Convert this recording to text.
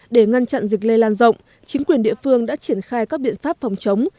để ngăn chặn dịch lây lan rộng chính quyền địa phương đã triển khai các biện pháp phòng chống